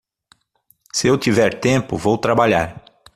Se eu tiver tempo, vou trabalhar.